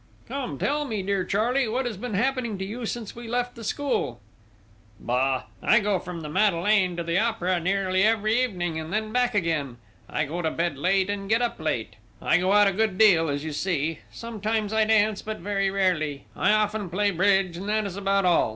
"Come, tell me, dear Charley, what has been happening to you since we left the school?" "Bah! I go from the Madeleine to the Opera nearly every evening, and then back again; I go to bed late and get up late; I go out a good deal, as you see; sometimes I dance, but very rarely; I often play bridge ... and that is about all!